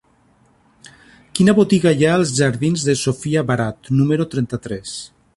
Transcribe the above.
Quina botiga hi ha als jardins de Sofia Barat número trenta-tres?